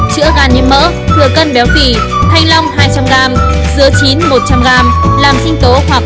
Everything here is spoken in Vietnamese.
chữa gan nhiên mỡ thừa cân béo phỉ thanh long hai trăm linh g dứa chín một trăm linh g